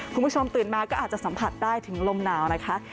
คุณผู้ชมตื่นมาก็อาจจะสัมผัสได้ถึงลมหนาวนะคะ